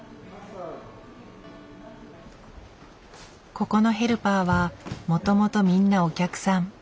ここのヘルパーはもともとみんなお客さん。